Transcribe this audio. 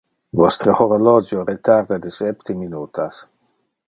Vostre horologio retarda de septe minutas.